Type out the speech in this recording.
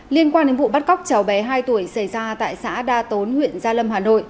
liên quan đến vụ bắt cóc cháu bé hai tuổi xảy ra tại xã đa tốn huyện gia lâm hà nội